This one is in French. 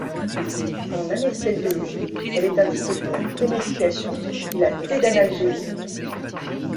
En anesthésiologie, elle est indiquée pour la prémédication et la sédanalgésie.